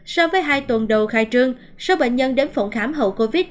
so với hai tuần đầu khai trương số bệnh nhân đến phòng khám hậu covid